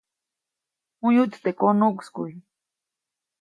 J̃uyuʼt teʼ konuʼkskuʼy.